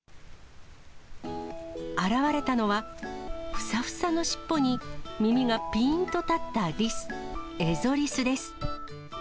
現れたのは、ふさふさの尻尾に、耳がぴーんと立ったリス、エゾリスです。